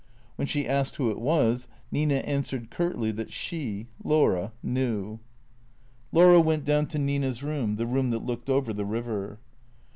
Wlien she asked who it was, Nina answered curtly that she, Laura, knew. Laura went down to Nina's room, the room that looked over the river.